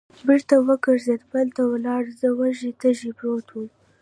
بېرته و ګرځېد، پل ته ولاړ، زه وږی تږی پروت ووم.